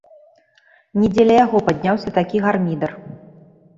Ні дзеля яго падняўся такі гармідар.